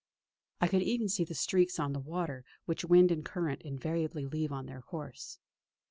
I could even see the streaks on the water which wind and current invariably leave on their course.